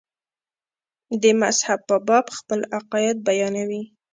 د مذهب په باب خپل عقاید بیانوي.